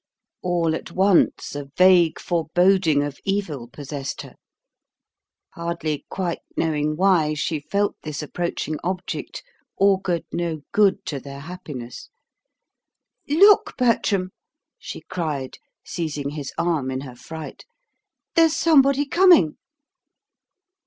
All at once, a vague foreboding of evil possessed her. Hardly quite knowing why, she felt this approaching object augured no good to their happiness. "Look, Bertram," she cried, seizing his arm in her fright, "there's somebody coming."